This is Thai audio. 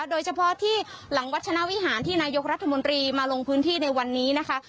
โดยเฉพาะที่หลังวัชนาวิหารที่นายกรัฐมนตรีมาลงพื้นที่ในวันนี้นะคะ